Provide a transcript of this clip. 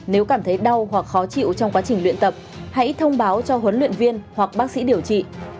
nếu cảm thấy đau hoặc khó chịu trong quá trình luyện tập hãy thông báo cho huấn luyện viên hoặc bác sĩ điều trị